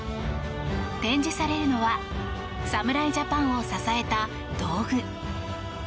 展示されるのは侍ジャパンを支えた道具。